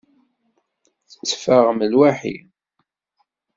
Tetteffaɣem lwaḥi?